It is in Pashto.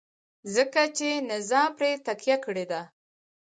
ځکه چې نظام پرې تکیه کړې ده.